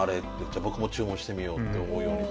じゃあ僕も注文してみようって思うように。